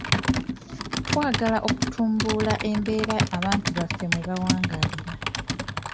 Twagala okutumbula embeera abantu baffe mwe bawangaalira.